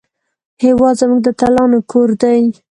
هېواد زموږ د اتلانو کور دی